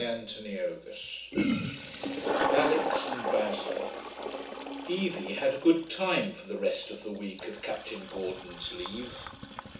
CHAPTER XII ALIX AND BASIL 1 Evie had a good time for the rest of the week of Captain Gordon's leave.